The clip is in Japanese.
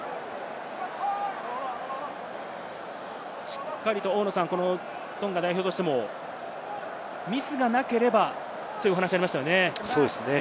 しっかりとトンガ代表としてもミスがなければというお話がありましたね。